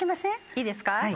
いいですか？